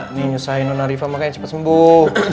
ini nyusahin nona riva makanya cepet sembuh